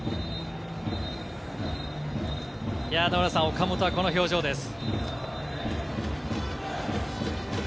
岡本はこの表情です。